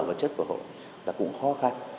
và chất của hội là cũng khó khăn